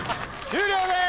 終了です！